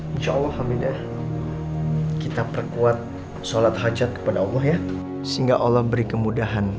insya allah hamidah kita perkuat sholat hajat kepada allah ya sehingga allah beri kemudahan